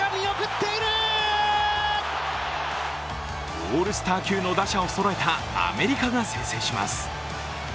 オールスター級の打者をそろえたアメリカが先制します。